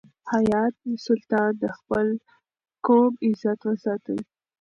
حیات سلطان د خپل قوم عزت وساتی.